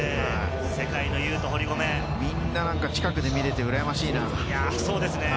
世界のユみんな近くで見れて、うらやましいな。